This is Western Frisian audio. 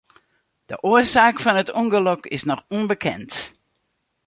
De oarsaak fan it ûngelok is noch ûnbekend.